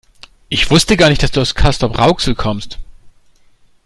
Ich wusste gar nicht, dass du aus Castrop-Rauxel kommst